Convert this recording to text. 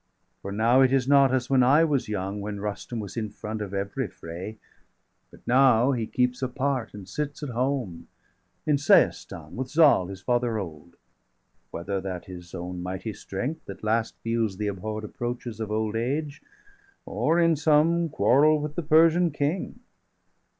For now it is not as when I was young, When Rustum was in front of every fray; 80 But now he keeps apart, and sits at home, In Seistan,° with Zal, his father old. °82 Whether that his own mighty strength at last Feels the abhorr'd approaches of old age, Or in some quarrel° with the Persian King.